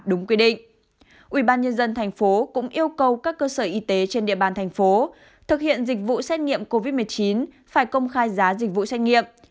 đúng quy định ubnd tp cũng yêu cầu các cơ sở y tế trên địa bàn thành phố thực hiện dịch vụ xét nghiệm covid một mươi chín phải công khai giá dịch vụ xét nghiệm